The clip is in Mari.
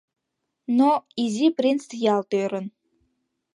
Но Изи принц ялт ӧрын.